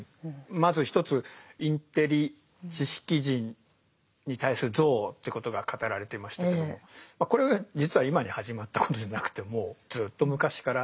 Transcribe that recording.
まず一つインテリ知識人に対する憎悪ってことが語られてましたけどもまあこれ実は今に始まったことじゃなくてもうずっと昔から。